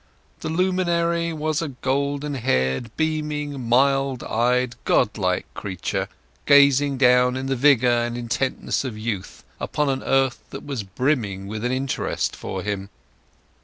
The luminary was a golden haired, beaming, mild eyed, God like creature, gazing down in the vigour and intentness of youth upon an earth that was brimming with interest for him.